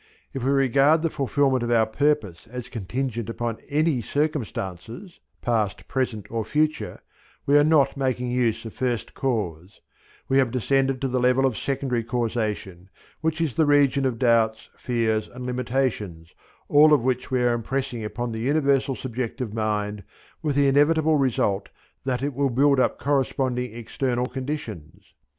If we regard the fulfilment of our purpose as contingent upon any circumstances, past, present, or future, we are not making use of first cause; we have descended to the level of secondary causation, which is the region of doubts, fears, and limitations, all of which we are impressing upon the universal subjective mind with the inevitable result that it will build up corresponding external conditions.